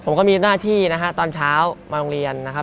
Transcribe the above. ผมก็มีหน้าที่นะฮะตอนเช้ามาโรงเรียนนะครับ